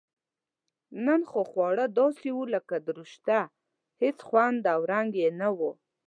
نن خو خواړه داسې و لکه دورسشته هېڅ خوند او رنګ یې نه و.